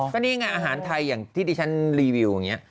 ก็นี่ไงอาหารไทยอย่างที่ดิฉันรีวิวอย่างนี้